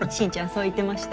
そう言ってました。